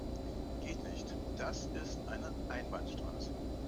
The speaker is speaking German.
Geht nicht, das ist eine Einbahnstraße.